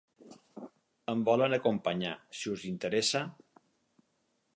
Em volen acompanyar, si us interessa?